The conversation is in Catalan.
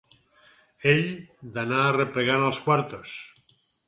Ell d'anar arreplegant els quartos